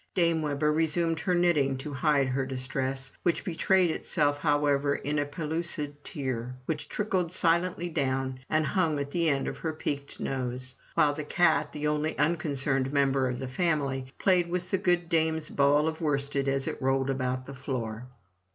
Dame Webber resumed her knitting to hide her distress, which betrayed itself however in a pellucid tear, which trickled silently down, and hung at the end of her peaked nose; while the cat, the only unconcerned member of the family, played with the good dame's ball of worsted, as it rolled about the floor.